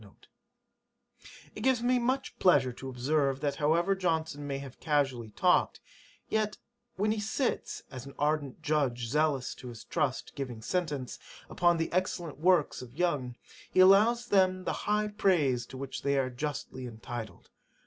' 'It gives me much pleasure to observe, that however Johnson may have casually talked, yet when he sits, as "an ardent judge zealous to his trust, giving sentence" upon the excellent works of Young, he allows them the high praise to which they are justly entitled.